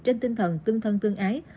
trên tinh thần tương thân tương ái